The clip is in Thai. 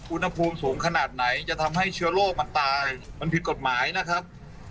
อุณหภูมิสูงขนาดไหนจะทำให้เชื้อโรคมันตายมันผิดกฎหมายนะครับ